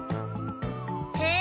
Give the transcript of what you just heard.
へえ！